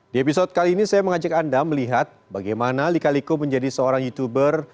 di episode kali ini saya mengajak anda melihat bagaimana lika liko menjadi seorang youtuber